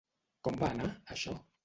Com va anar, això?